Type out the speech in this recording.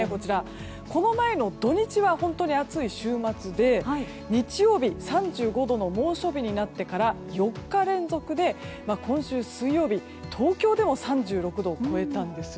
この前の土日は本当に暑い週末で日曜日３５度の猛暑日になってから４日連続で今週水曜日東京でも３６度を超えたんです。